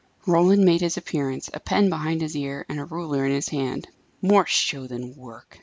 Roland made his appearance, a pen behind his ear, and a ruler in his hand. "More show than work!"